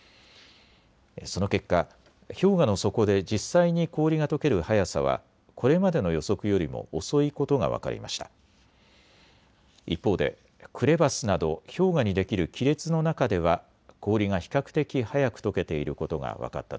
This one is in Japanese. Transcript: その結果、氷河の底で実際に氷がとける速さはこれまでの予測よりも遅いことが分かりました。